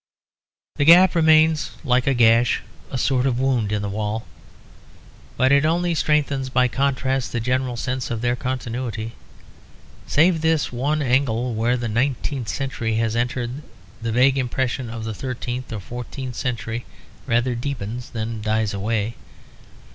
The gap remains like a gash, a sort of wound in the walls; but it only strengthens by contrast the general sense of their continuity. Save this one angle where the nineteenth century has entered, the vague impression of the thirteenth or fourteenth century rather deepens than dies away.